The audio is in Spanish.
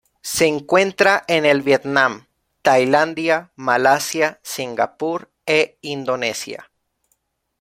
Se encuentra en el Vietnam, Tailandia, Malasia, Singapur e Indonesia.